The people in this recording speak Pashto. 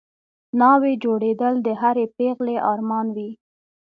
ناوې جوړېدل د هرې پېغلې ارمان وي